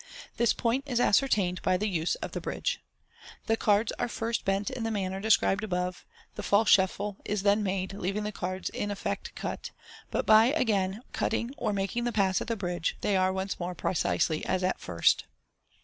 This point is ascertained by the use ol the bridge. The cards are first bent in the manner above described j the false shuffle is then made, leaving the cards in effect cut ; but by again cutting or making the pass at the bridge, they are once more precisely as at first.